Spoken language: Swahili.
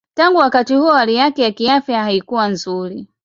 Tangu wakati huo hali yake ya kiafya haikuwa nzuri.